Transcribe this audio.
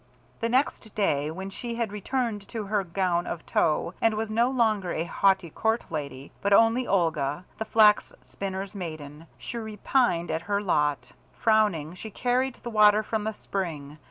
The next day when she had returned to her gown of tow and was no longer a haughty court lady, but only Olga, the Flax spinner's maiden, she repined at her lot. Frowning, she carried the water from the spring.